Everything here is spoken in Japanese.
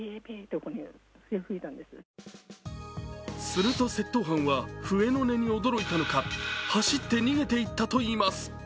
すると窃盗犯は笛の音に驚いたのか走って逃げていったといいます。